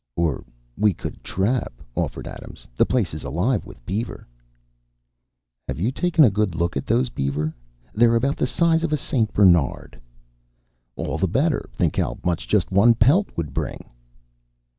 "Or we could trap," offered Adams. "The place is alive with beaver." "Have you taken a good look at those beaver? They're about the size of a St. Bernard." "All the better. Think how much just one pelt would bring."